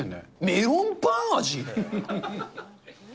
メロンパン味？